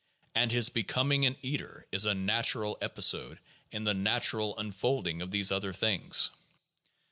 And his becoming an eater is a natural episode in the natural unfolding of these other things.